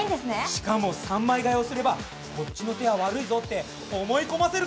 しかも３枚換えをすればこっちの手は悪いぞって思い込ませることもできるしね！